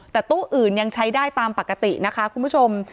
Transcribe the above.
แต่ตู้อื่นยังใช้ได้ตามปกตินะคะคุณผู้ชม